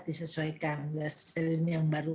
disesuaikan strain yang baru